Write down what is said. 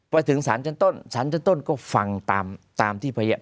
ไปถึงสารเชิญต้นสารเชิญต้นก็ฟังตามที่พยาน